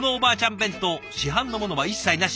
弁当市販のものは一切なし。